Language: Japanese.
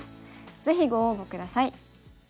ぜひご応募下さい。